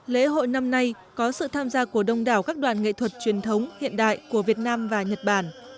lễ hội năm nay có sự tham gia của đông đảo các đoàn nghệ thuật truyền thống hiện đại của việt nam và nhật bản